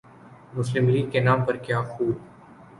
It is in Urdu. مسلم لیگ کے نام پر کیا خوب